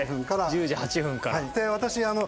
１０時８分から。